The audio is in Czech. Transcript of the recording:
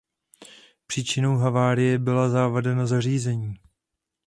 Příčinou havárie byla závada na řízení.